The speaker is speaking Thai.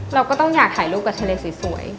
เราก็ต้องอยากถ่ายรูปกับทะเลสวย